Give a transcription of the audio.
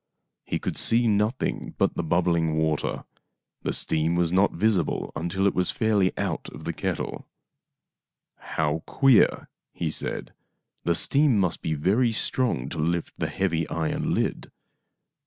He could see nothing but the bubbling water. The steam was not visible until after it was fairly out of the kettle. " How queer !" he said. " The steam must be very strong to lift the heavy iron lid.